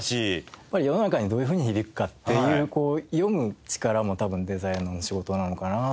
やっぱり世の中にどういうふうに響くかっていう読む力も多分デザイナーの仕事なのかなと思いますね。